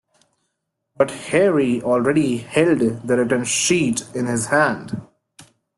But Harry already held the written sheet in his hand.